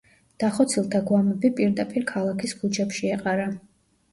დახოცილთა გვამები პირდაპირ ქალაქის ქუჩებში ეყარა.